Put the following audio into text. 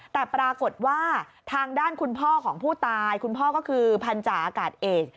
แต่ปรากฏว่าทางด้านคุณพ่อของผู้ตายคุณพ่อก็คือพันธาอากาศเอก